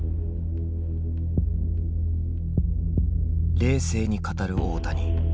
冷静に語る大谷。